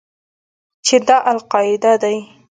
چې دا القاعده دى.